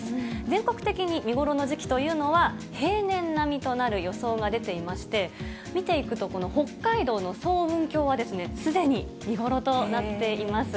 全国的に見頃の時期というのは、平年並みとなる予想が出ていまして、見ていくと、この北海道の層雲峡はすでに見頃となっています。